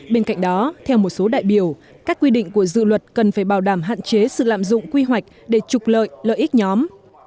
bên cạnh đó theo một số đại biểu các quy định của dự luật cần phải bảo đảm hạn chế sự lạm dụng quy hoạch để trục lợi lợi ích nhóm